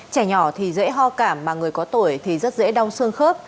trẻ nhỏ thì dễ ho cảm mà người có tuổi thì rất dễ đau xương khớp